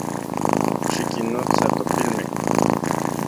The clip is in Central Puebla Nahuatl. Xikinnotsa topilmej